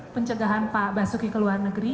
pencegahan pak basuki ke luar negeri